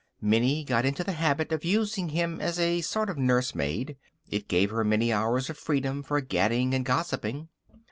Minnie got into the habit of using him as a sort of nursemaid. It gave her many hours of freedom for gadding and gossiping.